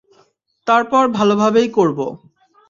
তারপর ভালোভাবেই করবো।